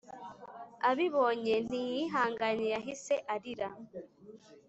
abibonye ntiyihanganye yahise arira